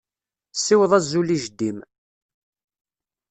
Ssiweḍ azul i jeddi-m.